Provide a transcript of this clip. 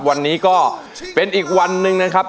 วันนี้ก็เป็นอีกวันหนึ่งนะครับ